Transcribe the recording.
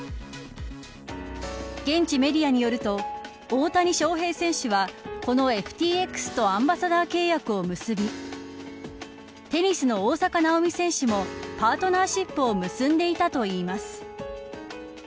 現地メディアによると大谷翔平選手はこのＦＴＸとアンバサダー契約を結びテニスの大坂なおみ選手もパートナーシップを結んでいたといいます。